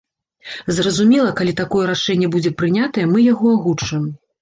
Зразумела, калі такое рашэнне будзе прынятае, мы яго агучым.